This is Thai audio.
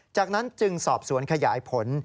จากนั้นจึงสอบสวนขยายผล